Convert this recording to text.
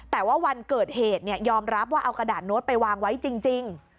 แต่ว่าวันเกิดเหตุยอมรับว่าเอากระดาษโน้ตไปวางไว้จริง